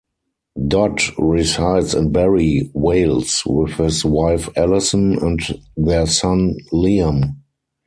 Dodd resides in Barry, Wales with his wife Allison and their son Liam.